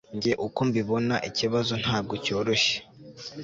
njye uko mbibona, ikibazo ntabwo cyoroshye